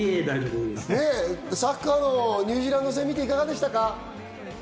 サッカー、ニュージーランド戦見て、いかがでしたか？